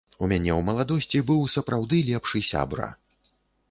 У мяне ў маладосці быў сапраўды лепшы сябра.